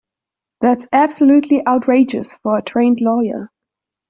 That's absolutely outrageous for a trained lawyer.